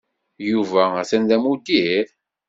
Yuba atan d amuddir?